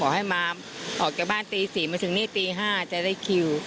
บอกเลยมาออกจากบ้านตีสี่มาถึงสู่ได้คิว